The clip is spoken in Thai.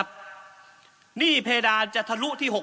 หนี้เพดานจะทะลุที่๖๐